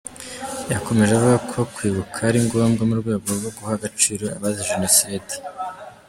Yakomeje avuga ko kwibuka ari ngombwa mu rwego rwo guha agaciro abazize Jenoside.